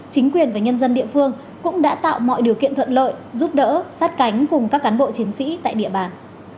chính quyền và nhân dân địa phương cũng đã tạo mọi điều kiện thuận lợi giúp đỡ sát cánh cùng các cán bộ chiến sĩ tại địa bàn